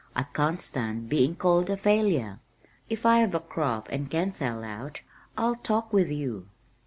I can't stand being called a failure. If I have a crop and can sell out I'll talk with you."